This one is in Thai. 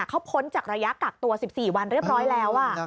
เขาพ้นจากระยะกักตัว๑๔วันเรียบร้อยแล้ว